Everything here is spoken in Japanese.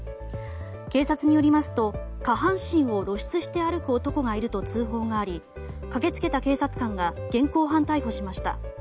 警察によりますと下半身を露出して歩く男がいると通報があり駆け付けた警察官が現行犯逮捕しました。